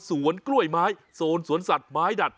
แก้ปัญหาผมร่วงล้านบาท